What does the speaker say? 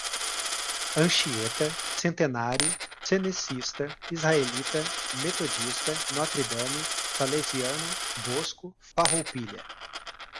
Anchieta, Centenário, Cenecista, Israelita, Metodista, Notre Drame, Salesiano, Bosco, Farroupilha